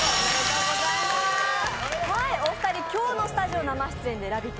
お二人、今日のスタジオ生出演で、「ラヴィット！」